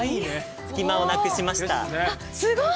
隙間をなくしました。ですね。ね